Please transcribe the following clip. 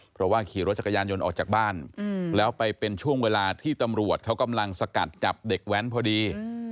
เพราะว่าขี่รถจักรยานยนต์ออกจากบ้านแล้วไปเป็นช่วงเวลาที่ตำรวจเขากำลังสกัดจับเด็กแว้นพอดี